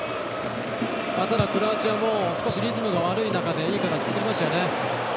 ただ、クロアチアも少しリズムが悪い中でいい形、作りましたよね。